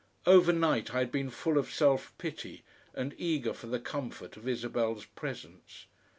Overnight I had been full of self pity, and eager for the comfort of Isabel's presence.